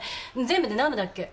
全部で何部だっけ？